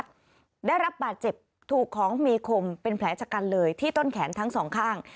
ได้รับบาดเจ็บถูกของมีคมเป็นแผลชะกันเลยที่ต้นแขนทั้งสองข้าง